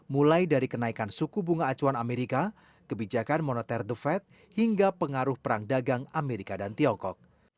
mulai dari kenaikan suku bunga acuan amerika kebijakan moneter the fed hingga pengaruh perang dagang amerika dan tiongkok